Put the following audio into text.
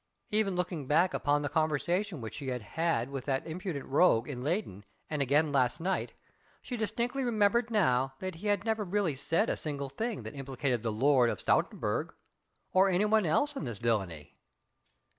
Even looking back upon the conversation which she had had with that impudent rogue in Leyden and again last night, she distinctly remembered now that he had never really said a single thing that implicated the Lord of Stoutenburg or anyone else in this villainy.